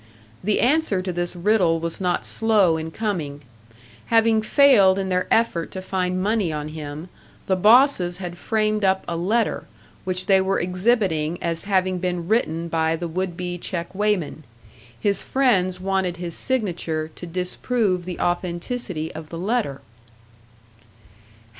The answer to this riddle was not slow in coming: having failed in their effort to find money on him, the bosses had framed up a letter, which they were exhibiting as having been written by the would be check weigh man. His friends wanted his signature to disprove the authenticity of the letter.